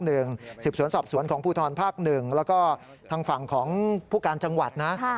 สืบสวนสอบสวนของภูทรภาคหนึ่งแล้วก็ทางฝั่งของผู้การจังหวัดนะ